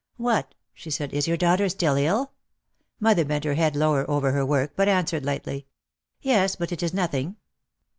"What!" she said, "is your daughter still ill?" Mother bent her head lower over her work but answered lightly, "Yes, but it is nothing."